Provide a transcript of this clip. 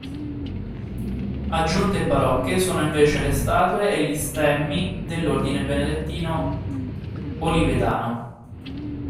Aggiunte barocche sono invece le statue e gli stemmi dell'ordine benedettino olivetano.